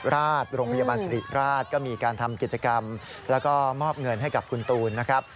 ราชโรงพยาบาลสิริราชก็มีการทำกิจกรรมแล้วก็มอบเงินให้กับคุณตูนนะครับ